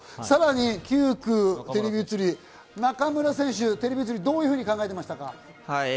さらに９区、テレビ映り、中村選手どういうふうに考えていましたか？